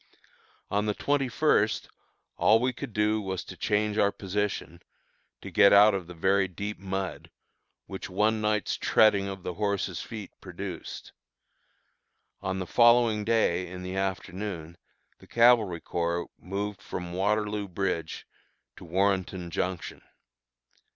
On the twenty first, all we could do was to change our position, to get out of the very deep mud, which one night's treading of the horses' feet produced. On the following day in the afternoon the Cavalry Corps moved from Waterloo Bridge to Warrenton Junction.